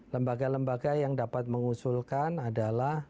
lembaga lembaga yang dapat mengusulkan adalah